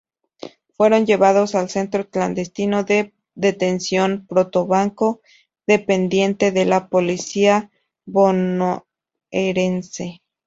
Fueron llevados al centro clandestino de detención Proto Banco, dependiente de la policía bonaerense.